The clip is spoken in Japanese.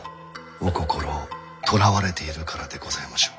お心をとらわれているからでございましょう。